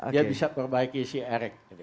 dia bisa perbaiki si erik